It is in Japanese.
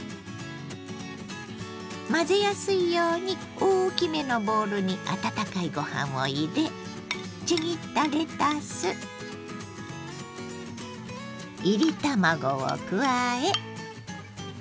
混ぜやすいように大きめのボウルに温かいご飯を入れちぎったレタスいり卵を加え。